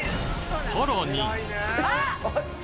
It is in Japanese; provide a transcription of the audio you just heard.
さらに！